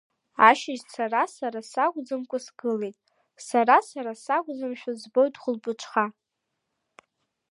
Ашьыжь сара сара сакәӡамкәа сгылеит, сара сара сакәӡамшәа збоит хәылбыҽха.